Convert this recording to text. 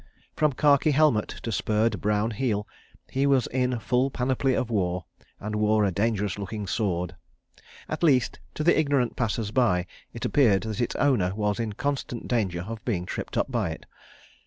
From khaki helmet to spurred brown heel, he was in full panoply of war, and wore a dangerous looking sword. At least, to the ignorant passer by, it appeared that its owner was in constant danger of being tripped up by it.